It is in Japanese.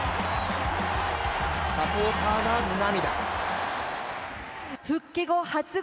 サポーターは涙。